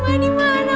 emak dimana emak